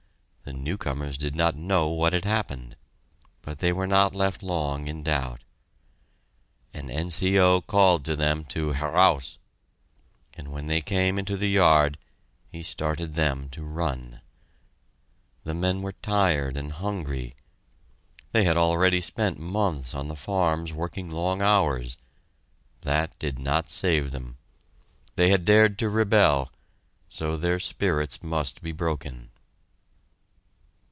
The newcomers did not know what had happened. But they were not left long in doubt. An N.C.O. called to them to "heraus," and when they came into the yard, he started them to run. The men were tired and hungry. They had already spent months on the farms, working long hours: that did not save them. They had dared to rebel, so their spirits must be broken.